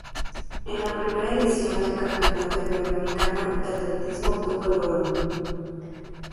En la primera edición del Campeonato Iberoamericano de Atletismo obtuvo el oro.